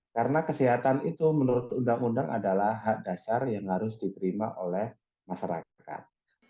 karena kesehatan itu menurut undang undang adalah hak dasar yang harus diterima oleh masyarakat